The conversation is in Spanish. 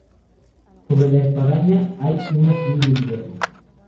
Sobre la espadaña hay una cruz de hierro.